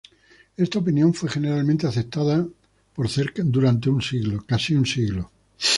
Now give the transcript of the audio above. Esta opinión fue generalmente aceptada por cerca de un siglo.